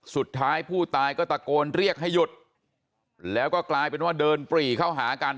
สุดท้ายผู้ตายก็ตะโกนเรียกให้หยุดแล้วก็กลายเป็นว่าเดินปรีเข้าหากัน